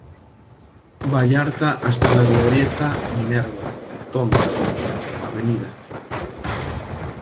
Vallarta hasta la Glorieta Minerva, toma Av.